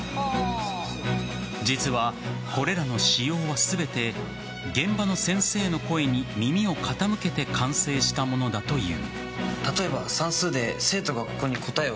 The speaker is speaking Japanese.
実はこれらの仕様は全て現場の先生の声に耳を傾けて完成したものだという。